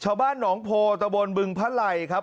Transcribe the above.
ชาวบ้านหนองโพตะบนบึงพระไหล่ครับ